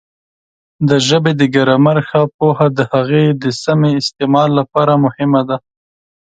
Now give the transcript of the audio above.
د ژبې د ګرامر ښه پوهه د هغې د سمې استعمال لپاره مهمه ده.